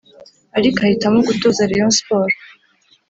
ariko ahitamo gutoza Rayon Sports